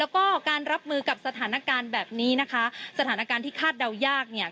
แล้วก็การรับมือกับสถานการณ์แบบนี้นะคะสถานการณ์ที่คาดเดายากเนี่ย